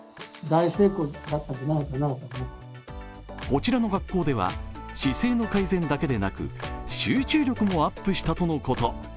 こちらの学校では姿勢の改善だけでなく集中力もアップしたとのこと。